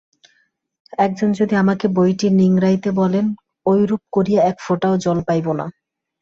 একজন যদি আমাকে বইটি নিংড়াইতে বলেন, ঐরূপ করিয়া এক ফোঁটাও জল পাইব না।